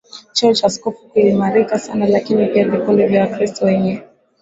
cheo cha Askofu kiliimarika sana lakini pia vikundi vya Wakristo wenye